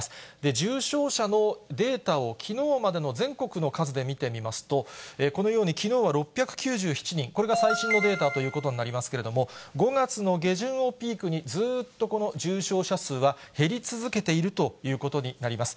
重症者のデータを、きのうまでの全国の数で見てみますと、このように、きのうは６９７人、これが最新のデータということになりますけれども、５月の下旬をピークに、ずーっと、この重症者数は減り続けているということになります。